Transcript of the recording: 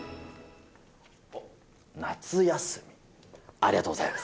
ありがとうございます。